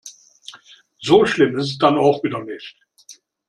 So schlimm ist es dann auch wieder nicht.